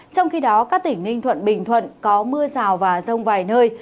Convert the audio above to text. trong khi đó các tỉnh ninh thuận bình thuận có mưa rào và rông vài nơi